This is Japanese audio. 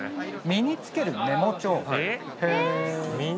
身に着けるメモ帳へぇ。